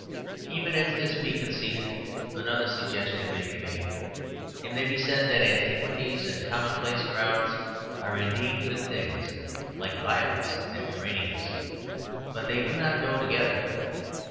Even if this be conceded, another suggestion may be made. It may be said that antiquities and commonplace crowds are indeed good things, like violets and geraniums; but they do not go together.